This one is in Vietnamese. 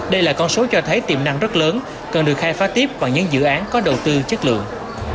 đây là con số cho thấy tiềm năng rất lớn cần được khai phá tiếp bằng những dự án có đầu tư chất lượng